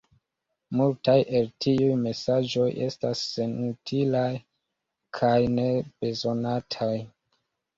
Multaj el tiuj mesaĝoj estas senutilaj kaj nebezonataj.